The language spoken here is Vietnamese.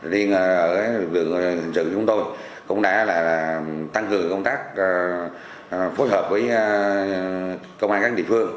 liên ở vực hình sự chúng tôi cũng đã tăng cường công tác phối hợp với công an các địa phương